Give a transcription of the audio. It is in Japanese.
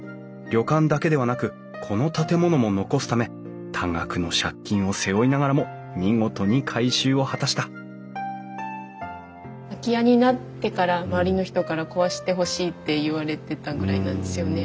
旅館だけではなくこの建物も残すため多額の借金を背負いながらも見事に改修を果たした空き家になってから周りの人から壊してほしいって言われてたぐらいなんですよね。